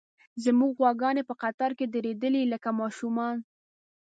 زموږ غواګانې په قطار کې درېدلې، لکه ماشومان.